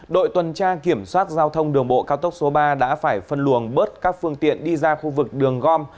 đội tuần tra kiểm soát giao thông đường bộ cao tốc số ba đã phải phân luồng bớt các phương tiện đi ra khu vực đường gom